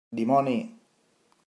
Dimoni!